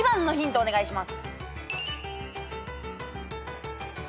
お願いします。